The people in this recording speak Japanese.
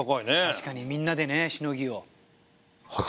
確かにみんなでねしのぎを。